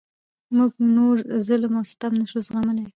موږ نور ظلم او ستم نشو زغملای.